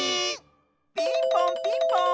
ピンポンピンポーン！